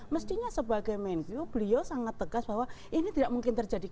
mestinya sebagai menkyu beliau sangat tegas bahwa ini tidak mungkin terjadi